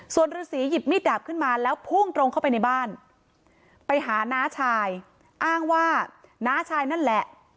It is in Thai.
ส่วนฤษีหยิบมีดดาบขึ้นมาแล้วพุ่งตรงเข้าไปในบ้านไปหาน้าชายอ้างว่าน้าชายนั่นแหละ